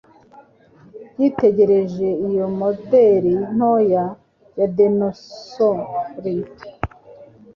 Yitegereje iyo moderi ntoya ya dinosaur.